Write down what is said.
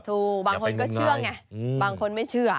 บางคนก็เชื่อไงบางคนไม่เชื่อ